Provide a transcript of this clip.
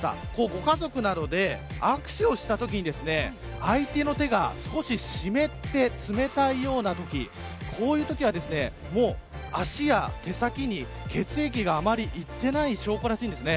ご家族で握手をしたときに相手の手が少し湿って冷たいようなときこういうときは足や手先に血液があまりいっていない証拠です。